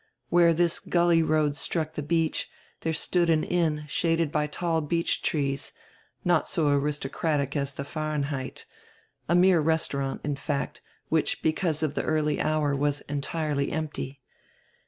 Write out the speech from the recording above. Where this gully road struck die beach there stood an inn shaded by tall beech trees, not so aris tocratic as the "Fahrenheit," a mere restaurant, in fact, which because of the early hour was entirely empty.